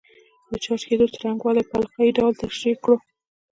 د چارج کېدو څرنګوالی په القايي ډول تشریح کړو.